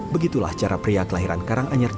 begitulah cara pria kelahiran karanganyar